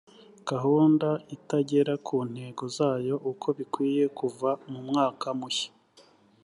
gahunda itagera ku ntego zayo uko bikwiye kuva mu mwaka mushya